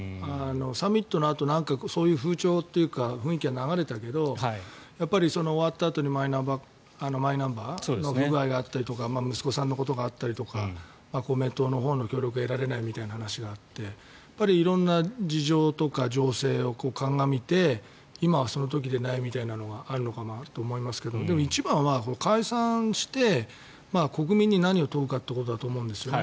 サミットのあとそういう風潮というか雰囲気は流れたけど終わったあとにマイナンバーの不具合があったりとか息子さんのことがあったりとか公明党の協力を得られないという話があって色んな事情とか情勢を鑑みて今はその時ではないみたいなのがあるのかなと思いますがでも一番は解散して国民に何を問うかだと思うんですよね。